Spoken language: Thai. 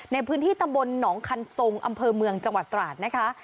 ในพื้นที่ตำบลหนองคันทรงอำเภอเมืองจังหวัดตราดนะคะ